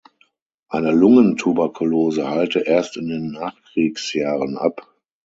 Eine Lungentuberkulose heilte erst in den Nachkriegsjahren ab.